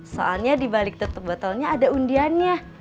soalnya di balik tetep botolnya ada undiannya